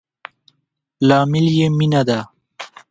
لامل يي مينه ده